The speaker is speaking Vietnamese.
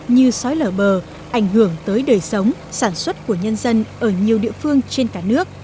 như sói lở bờ ảnh hưởng tới đời sống sản xuất của nhân dân ở nhiều địa phương trên cả nước